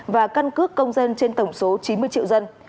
và căn cước công dân trên tổng số chín mươi triệu dân